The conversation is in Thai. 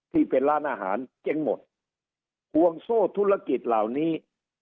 ที่เป็นร้านอาหารเจ๊งหมดห่วงโซ่ธุรกิจเหล่านี้